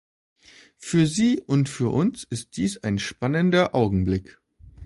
Für sie und für uns ist dies ein spannender Augenblick.